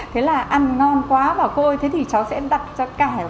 thế là ăn ngon quá bảo cô ơi thế thì cháu sẽ đặt cho các bạn